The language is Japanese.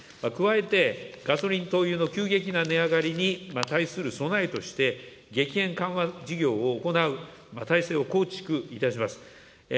加えてガソリン、灯油の急激な値上がりに対する備えとして、げきへん緩和事業を行う体制を構築いたします。